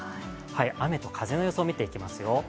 雨と風の予想を見ていきますよ。